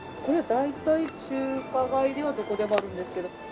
これは大体中華街ではどこでもあるんですけど。